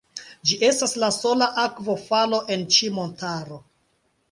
Ĝi estas la sola akvofalo en ĉi montaro.